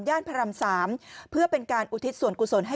พระราม๓เพื่อเป็นการอุทิศส่วนกุศลให้